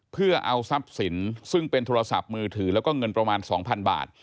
เพื่อเอาทรัพย์สินซึ่งเป็นโทรศัพท์มือถือแล้วก็เงินประมาณ๒๐๐บาท